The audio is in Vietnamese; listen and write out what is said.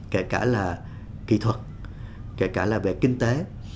kể cả là kỹ thuật kể cả là về kinh tế